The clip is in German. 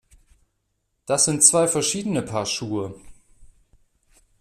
Das sind zwei verschiedene Paar Schuhe!